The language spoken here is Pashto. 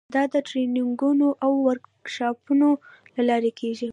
دا د ټریننګونو او ورکشاپونو له لارې کیږي.